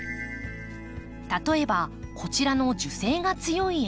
例えばこちらの樹勢が強い枝。